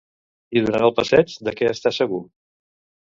I durant el passeig, de què està segur?